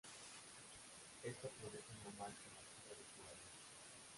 Esto produjo una marcha masiva de jugadores.